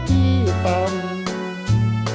ปีไม่มีคุณค่าวาสนาพี่ต่ำ